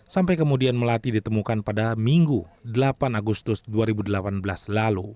sampai kemudian melati ditemukan pada minggu delapan agustus dua ribu delapan belas lalu